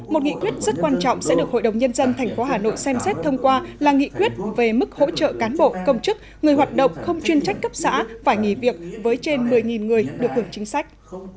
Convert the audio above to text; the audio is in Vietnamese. một nghị quyết rất quan trọng sẽ được hội đồng nhân dân thành phố hà nội xem xét thông qua là nghị quyết về mức hỗ trợ cán bộ công chức người hoạt động không chuyên trách cấp xã phải nghỉ việc với trên một mươi người được hưởng chính sách